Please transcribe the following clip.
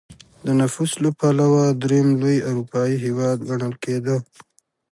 د نفوس له پلوه درېیم لوی اروپايي هېواد ګڼل کېده.